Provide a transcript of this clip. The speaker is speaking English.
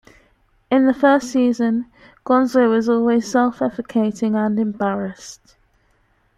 In the first season, Gonzo is always self-effacing and embarrassed.